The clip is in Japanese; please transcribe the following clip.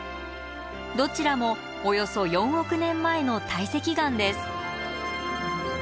どちらもおよそ４億年前の堆積岩です。